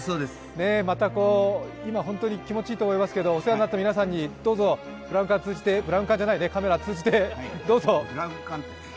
また、今、本当に気持ちいいと思いますけどお世話になった皆さんにブラウン管通じてブラウン管じゃないね、どうぞ、カメラを通じてどうぞ。